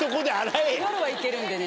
夜はいけるんでね。